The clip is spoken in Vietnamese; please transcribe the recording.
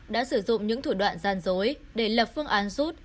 đã sử dụng những thủ đoạn gian dối để lập phương án rút